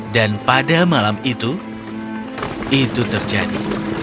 dan pada malam itu itu terjadi